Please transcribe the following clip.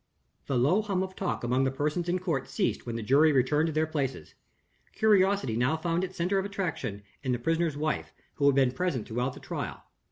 The low hum of talk among the persons in court ceased when the jury returned to their places. Curiosity now found its center of attraction in the prisoner's wife who had been present throughout the trial.